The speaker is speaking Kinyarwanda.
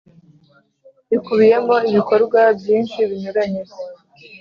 ikubiyemo ibikorwa byinshi binyuranye.